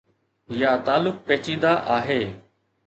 يا تعلق پيچيده آهي.